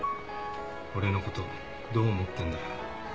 俺のことどう思ってんだよ。